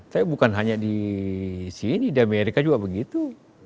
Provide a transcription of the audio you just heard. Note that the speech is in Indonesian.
tapi bukan hanya di sini di amerika juga begitu